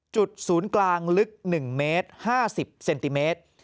จุดศูนย์กลางลึก๑เมตร๕๐เซนติเมตร